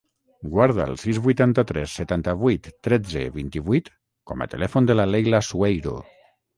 Guarda el sis, vuitanta-tres, setanta-vuit, tretze, vint-i-vuit com a telèfon de la Leila Sueiro.